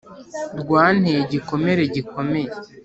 Rwanteye igikomere gikomeye